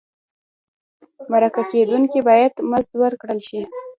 مرکه کېدونکی باید مزد ورکړل شي.